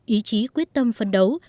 ý chí quyết tâm phân đấu